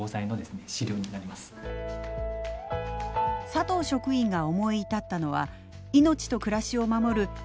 佐藤職員が思い至ったのは命と暮らしを守る